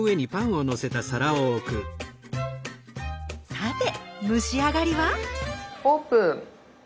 さて蒸し上がりはオープン！